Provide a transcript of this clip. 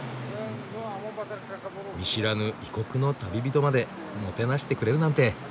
見知らぬ異国の旅人までもてなしてくれるなんて。